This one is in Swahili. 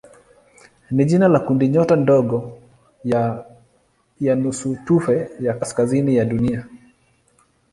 ni jina la kundinyota ndogo ya nusutufe ya kaskazini ya Dunia.